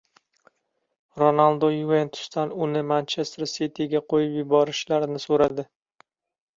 Ronaldu "Yuventus"dan uni "Manchester Siti"ga qo‘yib yuborishlarini so‘radi